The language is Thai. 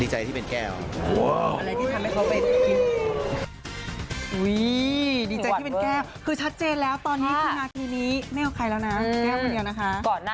ดีใจแก้วคือชัดเจนแล้วตอนนี้คือนาทีนี้ไม่เอาใครแล้วนะแก้วคนเดียวนะคะ